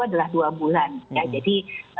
adalah dua bulan ya jadi